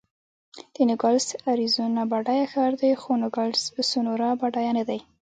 د نوګالس اریزونا بډایه ښار دی، خو نوګالس سونورا بډایه نه دی.